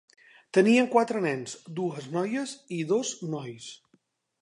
Tenien quatre nens, dues noies i dos nois.